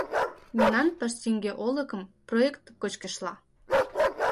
Минан паштинге олыкым проикт кочкешла.